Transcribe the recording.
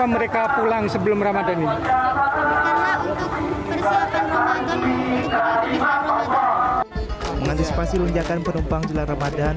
mengantisipasi lenjakan penumpang jelang ramadhan